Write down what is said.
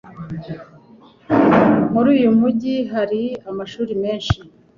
Muri uyu mujyi hari amashuri menshi.